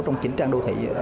trong chỉnh trang đô thị